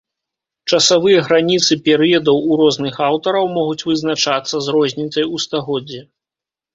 Часавыя граніцы перыядаў у розных аўтараў могуць вызначацца з розніцай у стагоддзе.